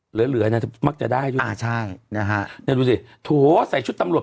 เหลือเหลือน่ะมักจะได้ด้วยอ่าใช่นะฮะเนี่ยดูสิโถใส่ชุดตำรวจ